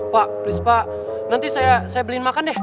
pak please pak nanti saya beliin makan deh